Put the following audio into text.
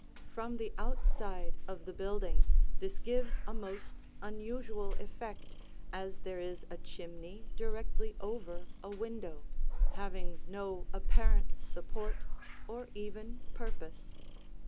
From the outside of the building this gives a most unusual effect as there is a chimney directly over a window, having no apparent support, or even purpose.